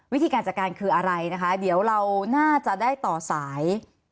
วิธีการจัดการคืออะไรนะคะเดี๋ยวเราน่าจะได้ต่อสาย